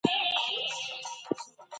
ځکه فارم په انګلیسي ډکیږي.